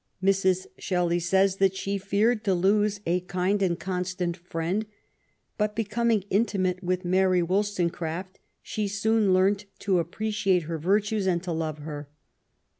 Mrs. Shelley says that " she feared to lose a kind and con stant friend ; but, becoming intimate with Mary Woll stonecraft, she soon learnt to appreciate her virtues and to love her.